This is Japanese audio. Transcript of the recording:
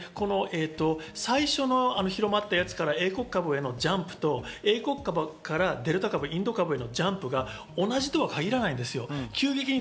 最初の広まったやつから英国株へのジャンプと、英国株からデルタ株、インド株へのジャンプが同じとは限らない。